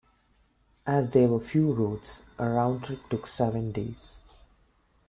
As there were few roads, a round trip took seven days.